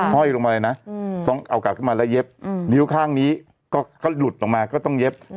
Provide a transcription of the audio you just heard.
ห้อยลงมาเลยนะต้องเอากลับขึ้นมาแล้วเย็บนิ้วข้างนี้ก็หลุดออกมาก็ต้องเย็บ